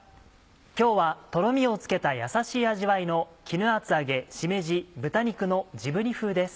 今日はトロミをつけたやさしい味わいの「絹厚揚げしめじ豚肉のじぶ煮風」です。